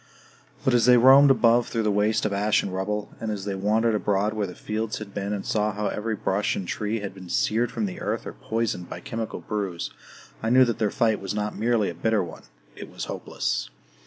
But as they roamed above through the waste of ash and rubble, and as they wandered abroad where the fields had been and saw how every brush and tree had been seared from the earth or poisoned by chemical brews, I knew that their fight was not merely a bitter one it was hopeless.